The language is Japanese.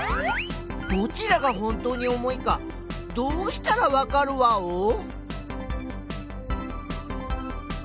どちらが本当に重いかどうしたらわかるワオ？